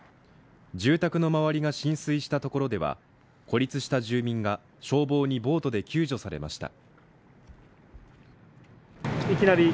住宅の周りが浸水したところでは、孤立した住民が消防にボートで救助されました。